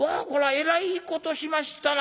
えらいことしましたな。